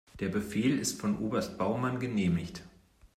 Der Befehl ist von Oberst Baumann genehmigt.